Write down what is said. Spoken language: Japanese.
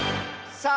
「さあ！」